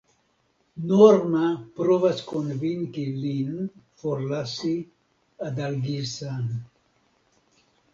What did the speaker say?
Norma provas konvinki lin forlasi Adalgisa-n.